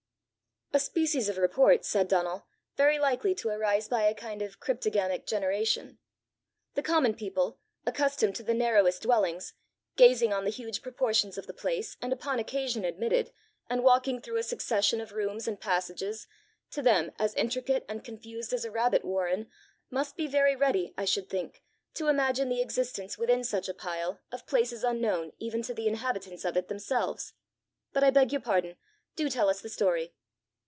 "A species of report," said Donal, "very likely to arise by a kind of cryptogamic generation! The common people, accustomed to the narrowest dwellings, gazing on the huge proportions of the place, and upon occasion admitted, and walking through a succession of rooms and passages, to them as intricate and confused as a rabbit warren, must be very ready, I should think, to imagine the existence within such a pile, of places unknown even to the inhabitants of it themselves! But I beg your pardon: do tell us the story."